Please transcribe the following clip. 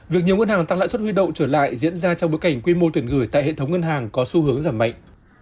việc nhiều ngân hàng tăng lãi suất huy động trở lại diễn ra trong bối cảnh quy mô tiền gửi tại hệ thống ngân hàng có xu hướng giảm mạnh